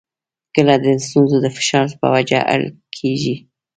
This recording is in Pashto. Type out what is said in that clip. کله د ستونزو د فشار په وجه اړ کېږي.